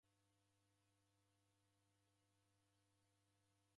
Ovalwa ukelemere.